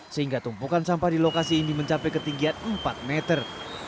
sehingga tumpukan sampah di lokasi ini mencapai ketinggian empat meter